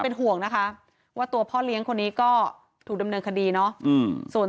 เป็นห่วงนะคะว่าตัวพ่อเลี้ยงคนนี้ก็ถูกดำเนินคดีเนาะส่วน